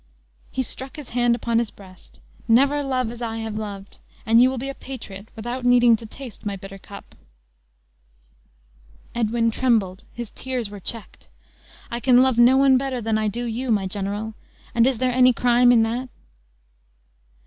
He struck his hand upon his breast. "Never love as I have loved, and you will be a patriot, without needing to taste my bitter cup!" Edwin trembled; his tears were checked. "I can love no one better than I do you, my general! and is there any crime in that?"